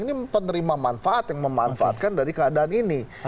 ini penerima manfaat yang memanfaatkan dari keadaan ini